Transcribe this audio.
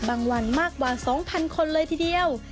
บางวันมากว่าสองพันคนเลยทีเดียว